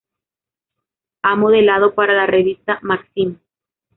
Ha modelado para la revista "Maxim".